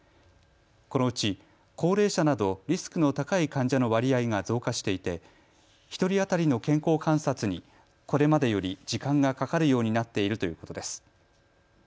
このうち高齢者などリスクの高い患者の割合が増加していて１人当たりの健康観察にこれまでより時間がかかるようになっているということです。